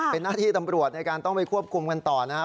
เป็นหน้าที่ตำรวจในการต้องไปควบคุมกันต่อนะครับ